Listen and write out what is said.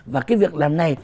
và cái việc làm này